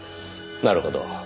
なるほど。